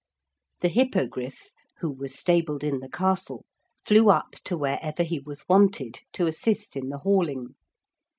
The Hippogriff, who was stabled in the castle, flew up to wherever he was wanted, to assist in the hauling.